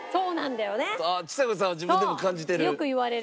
ちさ子さんは自分でも感じてる？